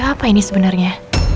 lhl ada apa ini sebenarnya